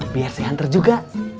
biar saya hantar juga